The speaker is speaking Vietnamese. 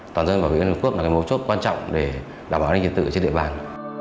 toàn dân bảo vệ an ninh tổ quốc là một mấu chốt quan trọng để đảm bảo an ninh thiệt tự trên đệ bàng